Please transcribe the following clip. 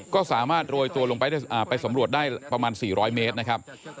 ก็สามารถโรยตัวลงไปสำรวจได้ประมาณ๔๐๐เมตรนะครับ